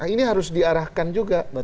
ini harus diarahkan juga